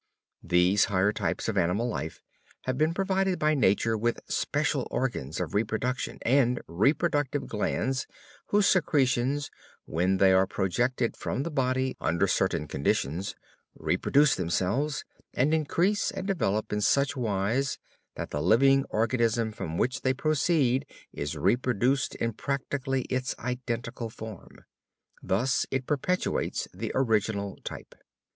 These higher types of animal life have been provided by nature with special organs of reproduction and reproductive glands whose secretions, when they are projected from the body under certain conditions, reproduce themselves, and increase and develop in such wise that the living organism from which they proceed is reproduced in practically its identical form. Thus it perpetuates the original type.